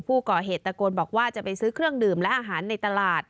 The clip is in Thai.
ผู้ก่อเหตุตะโกนบอกว่าจะไปซื้อเครื่องดื่มและอาหารในตลาด